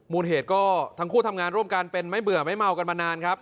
เหตุก็ทั้งคู่ทำงานร่วมกันเป็นไม่เบื่อไม่เมากันมานานครับ